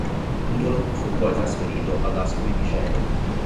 Cutolo fu poi trasferito ad Ascoli Piceno.